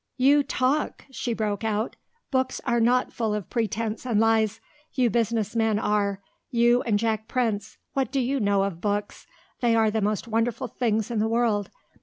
"You talk!" she broke out. "Books are not full of pretence and lies; you business men are you and Jack Prince. What do you know of books? They are the most wonderful things in the world.